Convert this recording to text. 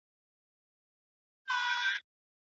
د ملکیار سبکي سپړنه ډېره مهمه ده.